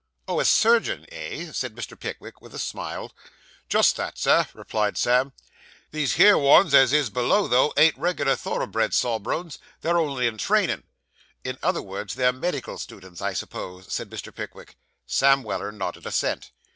'Oh, a surgeon, eh?' said Mr. Pickwick, with a smile. 'Just that, sir,' replied Sam. 'These here ones as is below, though, ain't reg'lar thoroughbred sawbones; they're only in trainin'.' In other words they're medical students, I suppose?' said Mr. Pickwick. Sam Weller nodded assent.